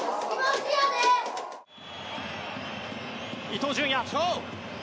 伊東純也。